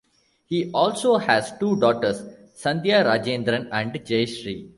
He also has two daughters, Sandhya Rajendran and Jayasree.